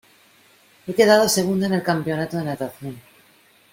Ha quedado segunda en el campeonato de natación.